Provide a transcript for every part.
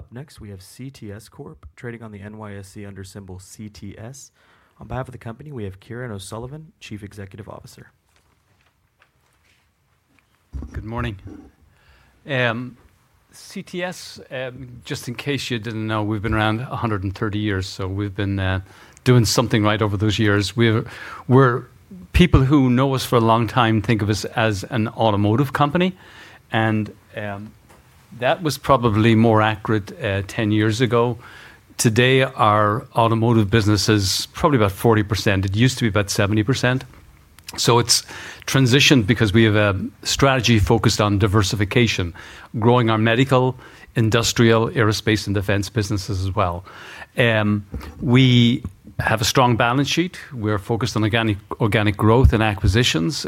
Up next, we have CTS Corp, trading on the NYSE under symbol CTS. On behalf of the company, we have Kieran O'Sullivan, Chief Executive Officer. Good morning. CTS, just in case you didn't know, we've been around 130 years. We've been doing something right over those years. People who know us for a long time think of us as an automotive company, and that was probably more accurate 10 years ago. Today, our automotive business is probably about 40%. It used to be about 70%. It's transitioned because we have a strategy focused on diversification, growing our medical, industrial, aerospace, and defense businesses as well. We have a strong balance sheet. We're focused on organic growth and acquisitions.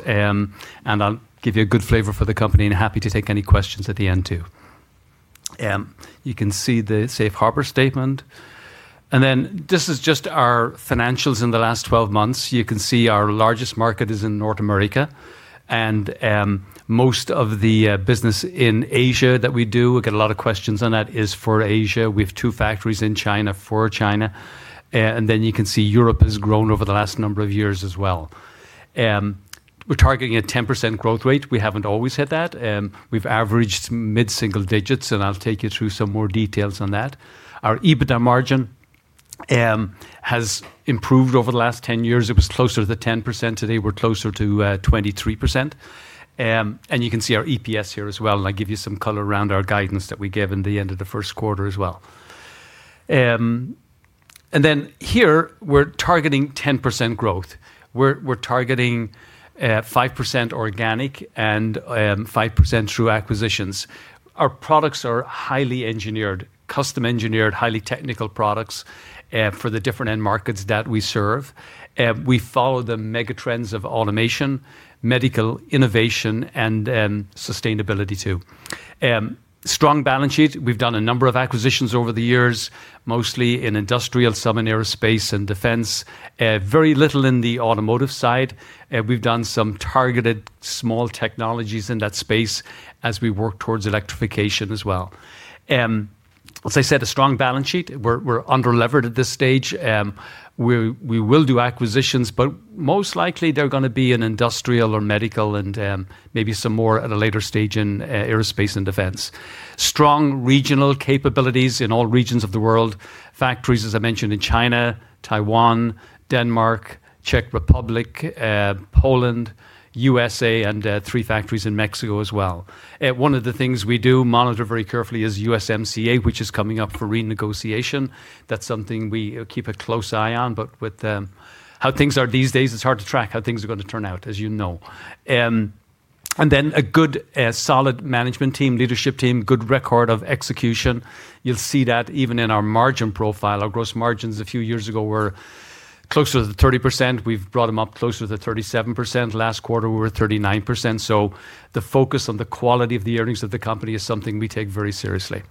I'll give you a good flavor for the company and happy to take any questions at the end, too. You can see the safe harbor statement. This is just our financials in the last 12 months. You can see our largest market is in North America and most of the business in Asia that we do, we get a lot of questions on that is for Asia. We have two factories in China for China. You can see Europe has grown over the last number of years as well. We're targeting a 10% growth rate. We haven't always hit that. We've averaged mid-single digits. I'll take you through some more details on that. Our EBITDA margin has improved over the last 10 years. It was closer to the 10%. Today, we're closer to 23%. You can see our EPS here as well. I'll give you some color around our guidance that we gave in the end of the Q1 as well. Here, we're targeting 10% growth. We're targeting 5% organic and 5% through acquisitions. Our products are highly engineered, custom-engineered, highly technical products, for the different end markets that we serve. We follow the mega trends of automation, medical innovation and sustainability too. Strong balance sheet. We've done a number of acquisitions over the years, mostly in industrial, some in aerospace and defense. Very little in the automotive side. We've done some targeted small technologies in that space as we work towards electrification as well. As I said, a strong balance sheet. We're under-levered at this stage. We will do acquisitions, but most likely they're going to be in industrial or medical and maybe some more at a later stage in aerospace and defense. Strong regional capabilities in all regions of the world. Factories, as I mentioned, in China, Taiwan, Denmark, Czech Republic, Poland, USA, and three factories in Mexico as well. One of the things we do monitor very carefully is USMCA, which is coming up for renegotiation. That's something we keep a close eye on, with how things are these days, it's hard to track how things are going to turn out, as you know. A good, solid management team, leadership team. Good record of execution. You'll see that even in our margin profile. Our gross margins a few years ago were closer to 30%. We've brought them up closer to 37%. Last quarter, we were 39%. The focus on the quality of the earnings of the company is something we take very seriously.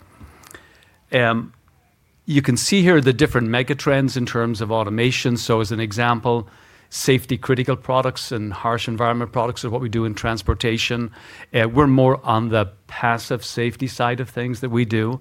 You can see here the different mega trends in terms of automation. As an example, safety critical products and harsh environment products are what we do in transportation. We're more on the passive safety side of things that we do.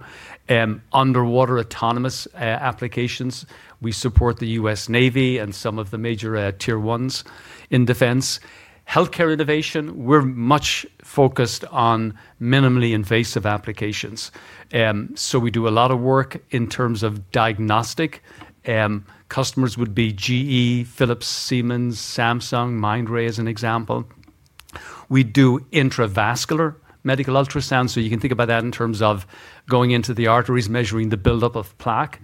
Underwater autonomous applications. We support the U.S. Navy and some of the major Tier 1s in defense. Healthcare innovation. We're much focused on minimally invasive applications. We do a lot of work in terms of diagnostic. Customers would be GE, Philips, Siemens, Samsung, Mindray, as an example. We do intravascular medical ultrasound, you can think about that in terms of going into the arteries, measuring the buildup of plaque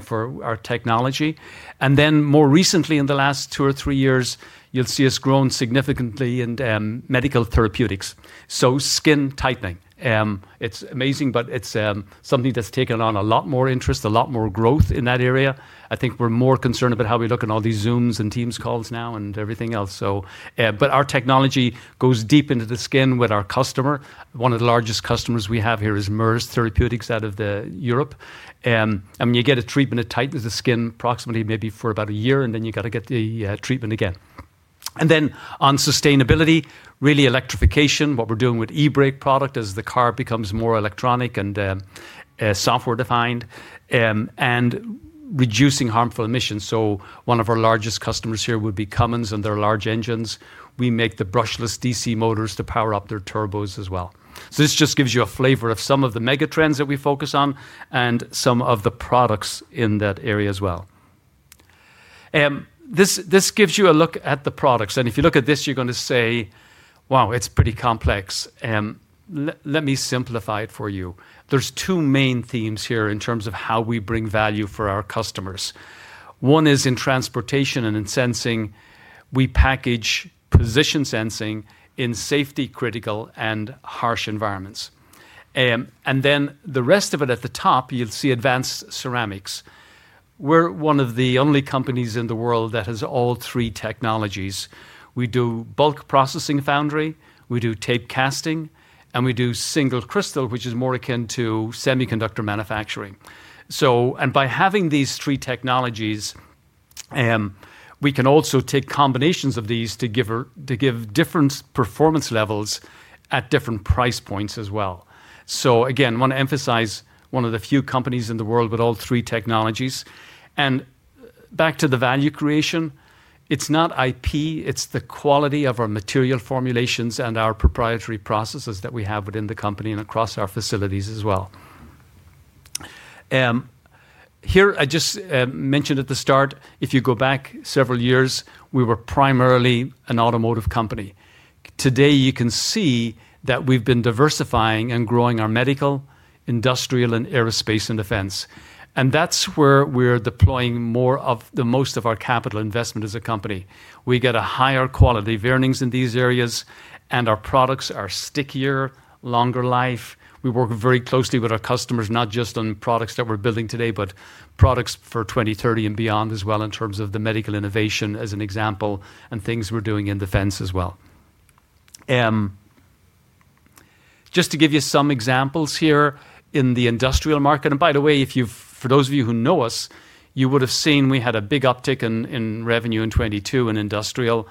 for our technology. More recently, in the last two or three years, you'll see us grown significantly in medical therapeutics. Skin tightening. It's amazing, but it's something that's taken on a lot more interest, a lot more growth in that area. I think we're more concerned about how we look on all these Zoom and Teams calls now and everything else. Our technology goes deep into the skin with our customer. One of the largest customers we have here is Merz Therapeutics out of Europe. You get a treatment, it tightens the skin approximately maybe for about a year, then you got to get the treatment again. On sustainability, really electrification, what we're doing with eBrake product as the car becomes more electronic and software defined, and reducing harmful emissions. One of our largest customers here would be Cummins and their large engines. We make the brushless DC motors to power up their turbos as well. This just gives you a flavor of some of the mega trends that we focus on and some of the products in that area as well. This gives you a look at the products, if you look at this, you're going to say, "Wow, it's pretty complex." Let me simplify it for you. There's two main themes here in terms of how we bring value for our customers. One is in transportation and in sensing. We package position sensing in safety critical and harsh environments. The rest of it at the top, you'll see advanced ceramics. We're one of the only companies in the world that has all three technologies. We do bulk processing foundry, we do tape casting, and we do single crystal, which is more akin to semiconductor manufacturing. By having these three technologies, we can also take combinations of these to give different performance levels at different price points as well. Again, want to emphasize one of the few companies in the world with all three technologies. Back to the value creation, it's not IP, it's the quality of our material formulations and our proprietary processes that we have within the company and across our facilities as well. I just mentioned at the start, if you go back several years, we were primarily an automotive company. Today, you can see that we've been diversifying and growing our medical, industrial, and aerospace and defense. That's where we're deploying most of our capital investment as a company. We get a higher quality of earnings in these areas, and our products are stickier, longer life. We work very closely with our customers, not just on products that we're building today, but products for 2030 and beyond as well, in terms of the medical innovation, as an example, and things we're doing in defense as well. Just to give you some examples here in the industrial market, and by the way, for those of you who know us, you would have seen we had a big uptick in revenue in 2022 in industrial.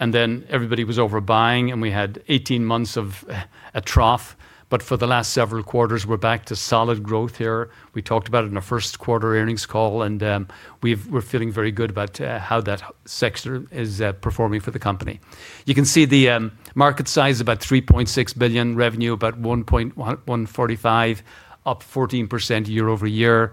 Everybody was overbuying, and we had 18 months of a trough. For the last several quarters, we're back to solid growth here. We talked about it in our Q1 earnings call, and we're feeling very good about how that sector is performing for the company. You can see the market size, about $3.6 billion, revenue about $145 million, up 14% year-over-year.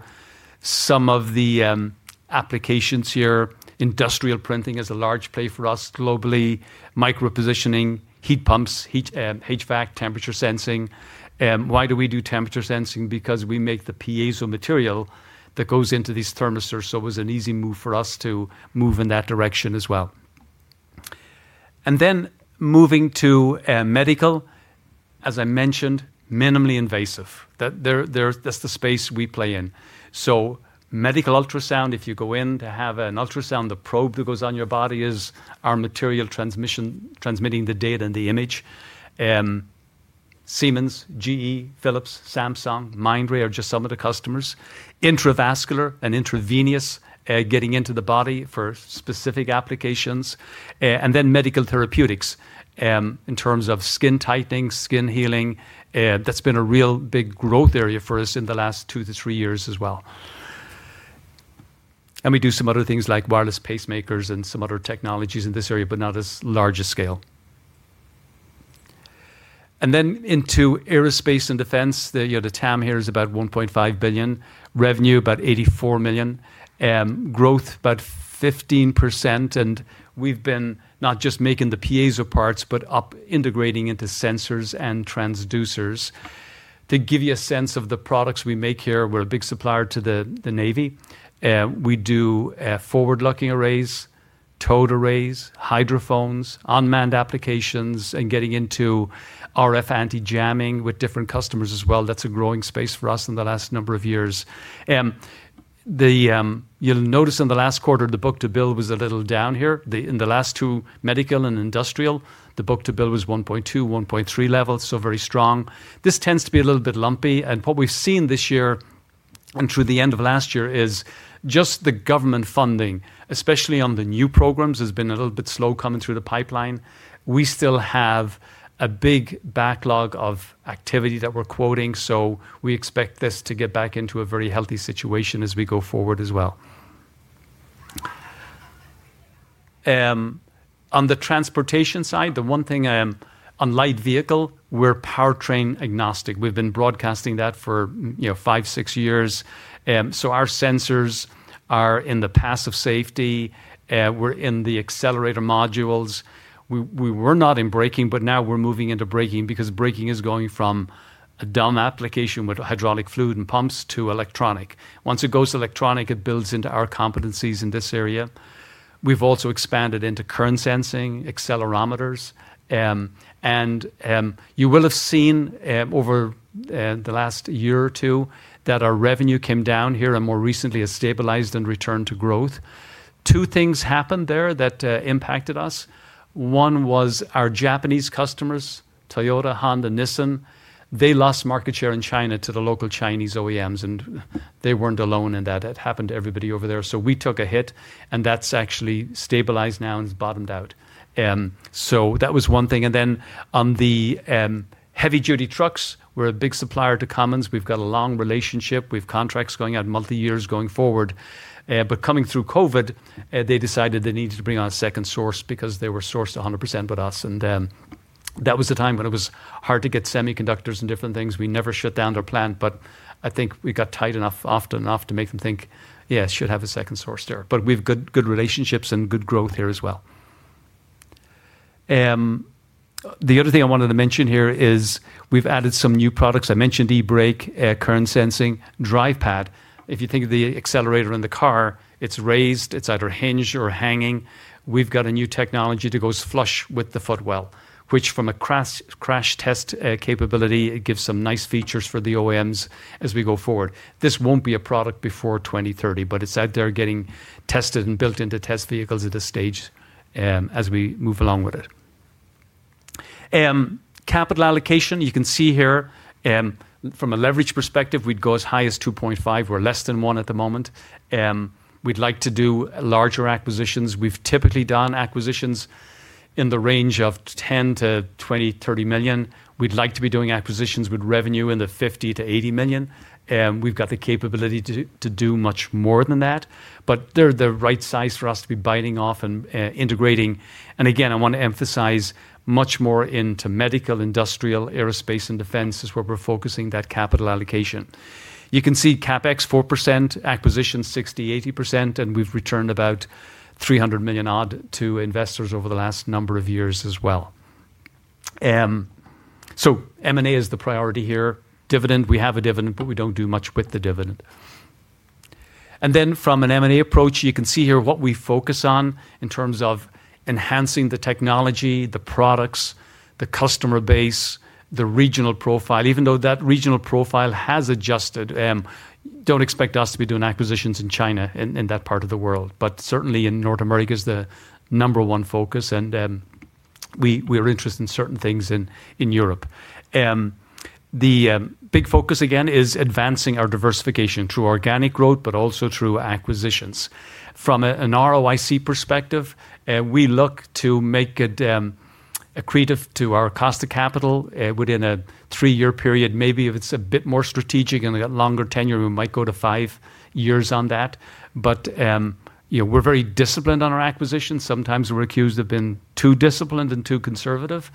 Some of the applications here, industrial printing is a large play for us globally, micro-positioning, heat pumps, HVAC, temperature sensing. Why do we do temperature sensing? Because we make the piezo material that goes into these thermistors, it was an easy move for us to move in that direction as well. Moving to medical, as I mentioned, minimally invasive. That's the space we play in. Medical ultrasound, if you go in to have an ultrasound, the probe that goes on your body is our material transmitting the data and the image. Siemens, GE, Philips, Samsung, Mindray are just some of the customers. Intravascular and intravenous, getting into the body for specific applications. Medical therapeutics, in terms of skin tightening, skin healing, that's been a real big growth area for us in the last two to three years as well. We do some other things like wireless pacemakers and some other technologies in this area, but not as large a scale. Into aerospace and defense. The TAM here is about $1.5 billion, revenue about $84 million, growth about 15%. We've been not just making the piezo parts, but up integrating into sensors and transducers. To give you a sense of the products we make here, we're a big supplier to the Navy. We do forward-looking arrays, towed arrays, hydrophones, unmanned applications, and getting into RF anti-jamming with different customers as well. That's a growing space for us in the last number of years. You'll notice in the last quarter, the book-to-bill was a little down here. In the last two, medical and industrial, the book-to-bill was 1.2, 1.3 level, so very strong. This tends to be a little bit lumpy. What we've seen this year, and through the end of last year, is just the government funding, especially on the new programs, has been a little bit slow coming through the pipeline. We still have a big backlog of activity that we're quoting. We expect this to get back into a very healthy situation as we go forward as well. On the transportation side, the one thing on light vehicle, we're powertrain agnostic. We've been broadcasting that for five, six years. Our sensors are in the passive safety. We're in the accelerator modules. We were not in braking, but now we're moving into braking because braking is going from a dumb application with hydraulic fluid and pumps to electronic. Once it goes electronic, it builds into our competencies in this area. We've also expanded into current sensing, accelerometers. You will have seen over the last year or two that our revenue came down here and more recently has stabilized and returned to growth. Two things happened there that impacted us. One was our Japanese customers, Toyota, Honda, Nissan. They lost market share in China to the local Chinese OEMs, and they weren't alone in that. It happened to everybody over there. We took a hit, and that's actually stabilized now and has bottomed out. That was one thing. Then on the heavy-duty trucks, we're a big supplier to Cummins. We've got a long relationship. We've contracts going out multi-years going forward. Coming through COVID, they decided they needed to bring on a second source because they were sourced 100% with us. That was the time when it was hard to get semiconductors and different things. We never shut down their plant, but I think we got tight enough, often enough to make them think, "Yeah, should have a second source there." We've good relationships and good growth here as well. The other thing I wanted to mention here is we've added some new products. I mentioned eBrake, current sensing, Drive Pad. If you think of the accelerator in the car, it's raised. It's either hinged or hanging. We've got a new technology that goes flush with the footwell, which from a crash test capability, it gives some nice features for the OEMs as we go forward. This won't be a product before 2030, but it's out there getting tested and built into test vehicles at this stage as we move along with it. Capital allocation, you can see here from a leverage perspective, we'd go as high as 2.5. We're less than one at the moment. We'd like to do larger acquisitions. We've typically done acquisitions in the range of $10 million-$20 million, $30 million. We'd like to be doing acquisitions with revenue in the $50 million-$80 million. We've got the capability to do much more than that. They're the right size for us to be biting off and integrating. Again, I want to emphasize much more into medical, industrial, aerospace, and defense is where we're focusing that capital allocation. You can see CapEx 4%, acquisition 60%-80%. We've returned about $300 million odd to investors over the last number of years as well. M&A is the priority here. Dividend, we have a dividend, but we don't do much with the dividend. Then from an M&A approach, you can see here what we focus on in terms of enhancing the technology, the products, the customer base, the regional profile. Even though that regional profile has adjusted, don't expect us to be doing acquisitions in China, in that part of the world. Certainly in North America is the number one focus, and we are interested in certain things in Europe. The big focus, again, is advancing our diversification through organic growth, also through acquisitions. From an ROIC perspective, we look to make it accretive to our cost of capital within a three-year period. Maybe if it's a bit more strategic and we got longer tenure, we might go to five years on that. We're very disciplined on our acquisitions. Sometimes we're accused of being too disciplined and too conservative.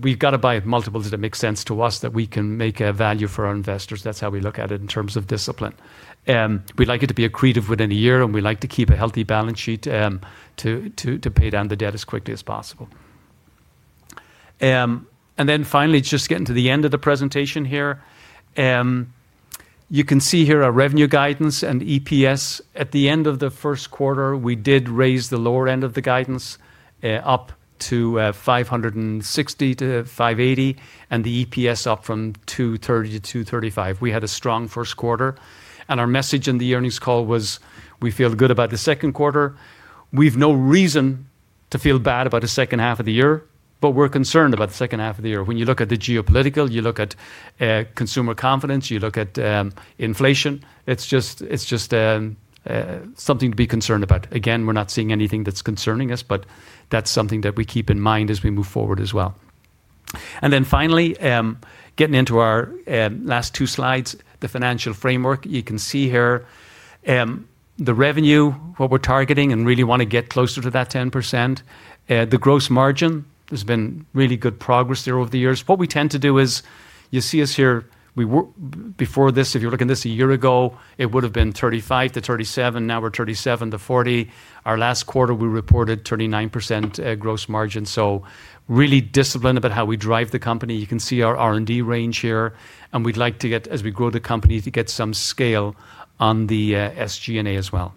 We've got to buy at multiples that make sense to us that we can make value for our investors. That's how we look at it in terms of discipline. We'd like it to be accretive within a year, and we like to keep a healthy balance sheet to pay down the debt as quickly as possible. Finally, just getting to the end of the presentation here. You can see here our revenue guidance and EPS. At the end of the Q1, we did raise the lower end of the guidance up to $560-$580, and the EPS up from $2.30-$2.45. We had a strong Q1, and our message in the earnings call was we feel good about the Q2. We've no reason to feel bad about the second half of the year, but we're concerned about the second half of the year. When you look at the geopolitical, you look at consumer confidence, you look at inflation, it's just something to be concerned about. Again, we're not seeing anything that's concerning us, but that's something that we keep in mind as we move forward as well. Finally, getting into our last two slides, the financial framework. You can see here the revenue, what we're targeting, and really want to get closer to that 10%. The gross margin, there's been really good progress there over the years. What we tend to do is, you see us here, before this, if you're looking this a year ago, it would have been 35%-37%. Now we're 37%-40%. Our last quarter, we reported 39% gross margin. Really disciplined about how we drive the company. You can see our R&D range here, and we'd like to get, as we grow the company, to get some scale on the SG&A as well.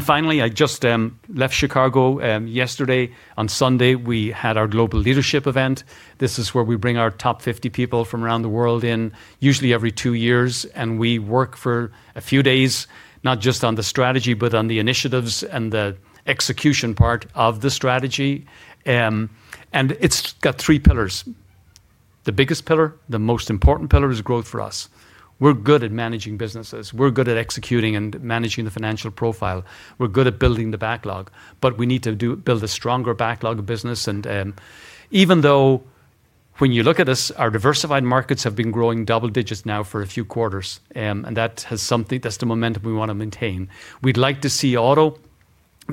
Finally, I just left Chicago yesterday. On Sunday, we had our global leadership event. This is where we bring our top 50 people from around the world in, usually every two years, and we work for a few days, not just on the strategy, but on the initiatives and the execution part of the strategy. It's got three pillars. The biggest pillar, the most important pillar is growth for us. We're good at managing businesses. We're good at executing and managing the financial profile. We're good at building the backlog, but we need to build a stronger backlog of business. Even though when you look at us, our diversified markets have been growing double digits now for a few quarters, and that's the momentum we want to maintain. We'd like to see auto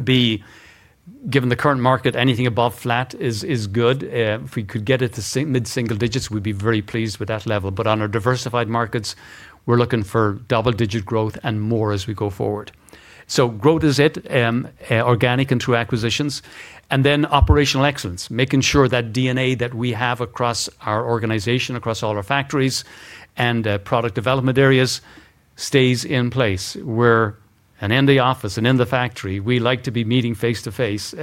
be, given the current market, anything above flat is good. If we could get it to mid-single digits, we'd be very pleased with that level. On our diversified markets, we're looking for double-digit growth and more as we go forward. Growth is it, organic and through acquisitions. Operational excellence, making sure that DNA that we have across our organization, across all our factories and product development areas stays in place. In the office and in the factory, we like to be meeting face-to-face.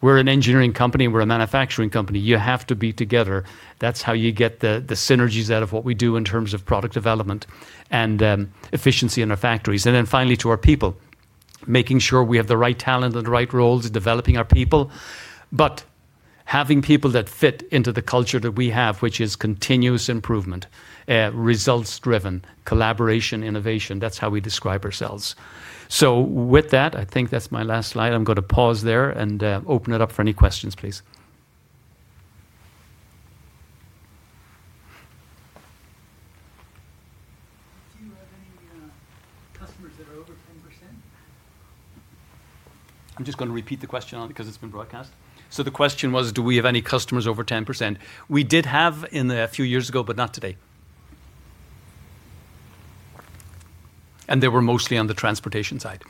We're an engineering company. We're a manufacturing company. You have to be together. That's how you get the synergies out of what we do in terms of product development and efficiency in our factories. Finally, to our people, making sure we have the right talent and the right roles, developing our people, but having people that fit into the culture that we have, which is continuous improvement, results driven, collaboration, innovation. That's how we describe ourselves. With that, I think that's my last slide. I'm going to pause there and open it up for any questions, please. Do you have any customers that are over 10%? I'm just going to repeat the question because it's been broadcast. The question was, do we have any customers over 10%? We did have a few years ago, but not today. They were mostly on the transportation side.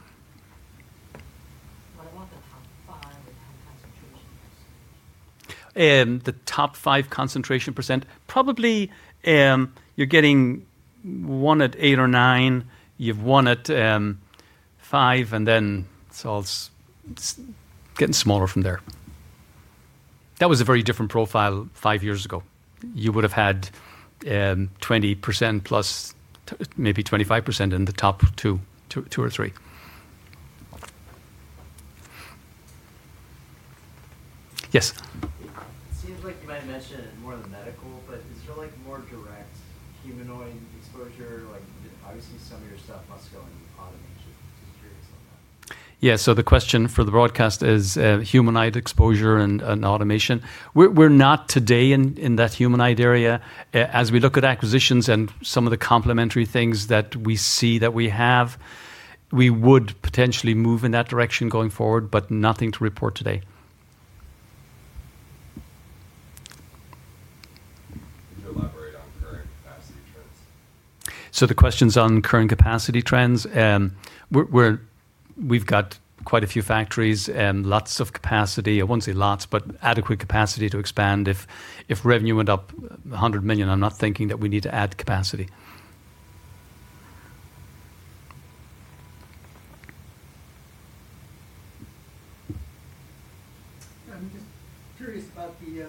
I wonder how far the concentration is. The top 5 concentration percent, probably you are getting one at 8% or 9%, you have one at 5%, and then it is all getting smaller from there. That was a very different profile five years ago. You would have had 20% plus, maybe 25% in the top 2 or top 3. Yes. It seems like you might mention more the medical, but is there more direct humanoid exposure? Obviously, some of your stuff must go into automation. Just curious on that. The question for the broadcast is humanoid exposure and automation. We are not today in that humanoid area. As we look at acquisitions and some of the complementary things that we see that we have, we would potentially move in that direction going forward, but nothing to report today. Could you elaborate on current capacity trends? The question's on current capacity trends. We've got quite a few factories and lots of capacity. I won't say lots, but adequate capacity to expand. If revenue went up $100 million, I'm not thinking that we need to add capacity. I'm just curious about the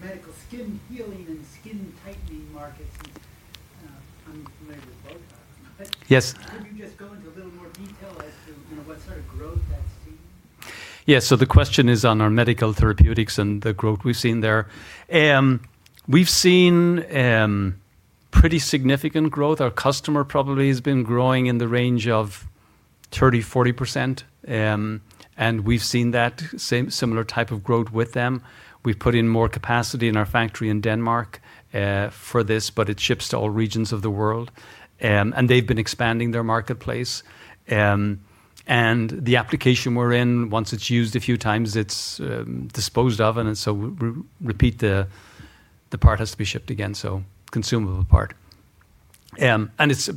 medical skin healing and skin tightening markets, and I'm familiar with BOTOX. Yes. Could you just go into a little more detail as to what sort of growth that's seen? The question is on our medical therapeutics and the growth we've seen there. We've seen pretty significant growth. Our customer probably has been growing in the range of 30%-40%, we've seen that similar type of growth with them. We've put in more capacity in our factory in Denmark for this, it ships to all regions of the world. They've been expanding their marketplace. The application we're in, once it's used a few times, it's disposed of, repeat, the part has to be shipped again, so consumable part. It's,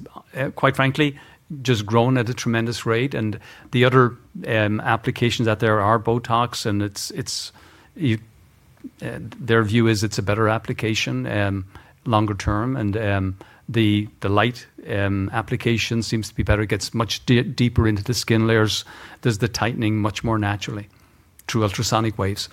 quite frankly, just grown at a tremendous rate. The other applications out there are BOTOX, their view is it's a better application, longer term. The light application seems to be better. It gets much deeper into the skin layers, does the tightening much more naturally through ultrasonic waves.